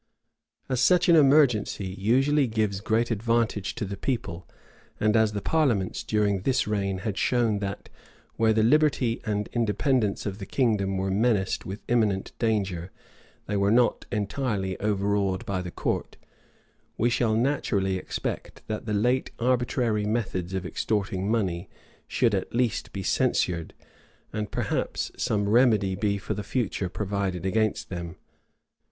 As such an emergency usually gives great advantage to the people; and as the parliaments during this reign had shown that, where the liberty and independency of the kingdom were menaced with imminent danger, they were not entirely overawed by the court; we shall naturally expect that the late arbitrary methods of extorting money should at least be censured, and perhaps some remedy be for the future provided against them.